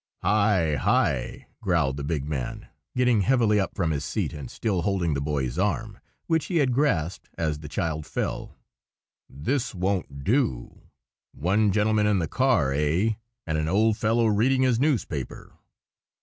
"Hi! hi!" growled the big man, getting heavily up from his seat and still holding the boy's arm, which he had grasped as the child fell, "this won't do! One gentleman in the car, eh? And an old fellow reading his newspaper!